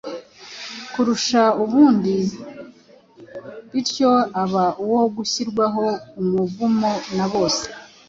kurusha ubundi bityo aba uwo gushyirwaho umuvumo na bose.